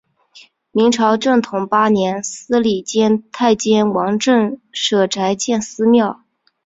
明朝正统八年司礼监太监王振舍宅建私庙。